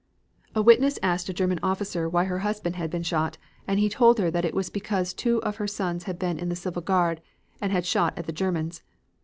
A witness asked a German officer why her husband had been shot, and he told her that it was because two of her sons had been in the civil guard and had shot at the Germans.